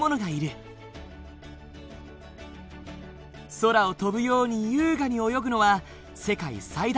空を飛ぶように優雅に泳ぐのは世界最大のエイマンタだ！